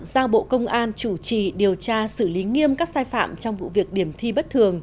giao bộ công an chủ trì điều tra xử lý nghiêm các sai phạm trong vụ việc điểm thi bất thường